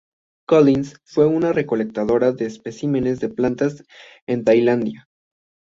Collins fue una recolectora de especímenes de plantas en Tailandia.